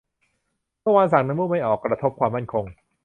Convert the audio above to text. เมื่อวานสั่งน้ำมูกไม่ออก กระทบความมั่นคง